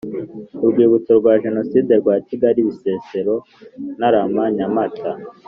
ku rwibutso rwa Jenoside rwa Kigali Bisesero Ntarama Nyamata